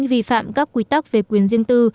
vi phạm các quy tắc về quyền riêng tư